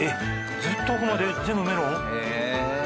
ずっと奥まで全部メロン？